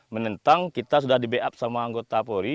menentang kita sudah di back up sama anggota